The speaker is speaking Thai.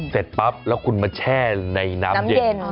เสร็จปั๊บแล้วคุณมาแช่ในน้ำเย็น